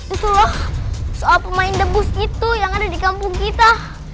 itu loh soal pemain debus itu yang ada di kampung kita